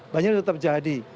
banjir tetap jadi